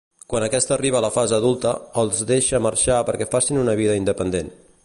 Quan aquest arriba a la fase adulta, els deixa marxar perquè facin una vida independent.